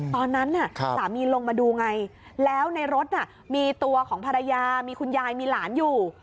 ตอนนั้นสามีลงมาดูไงแล้วในรถมีตัวของภรรยามีคุณยายมีหลานอยู่